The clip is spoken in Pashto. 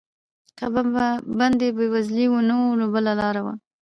که به بندي بېوزلی و نو بله لاره وه.